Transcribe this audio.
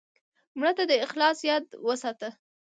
مړه ته د اخلاص یاد وساته